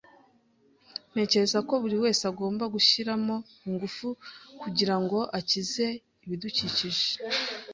Ntekereza ko buri wese agomba gushyiramo ingufu kugirango akize ibidukikije.